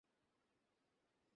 গাড়িগুলো মূল টার্গেট।